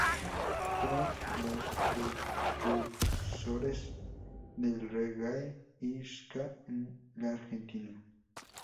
Fueron los precursores del reggae y el ska en la Argentina.